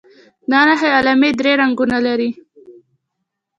دا نښې او علامې درې رنګونه لري.